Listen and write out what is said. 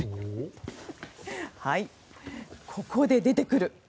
ここで出てくる。